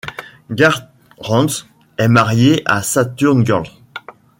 Garth Ranzz est marié à Saturn Girl.